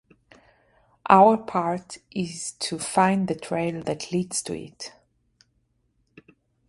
Our part is to find the trail that leads to it.